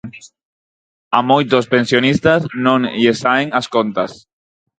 A moitos pensionistas non lle saen as contas.